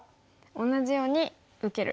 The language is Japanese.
同じように受ける。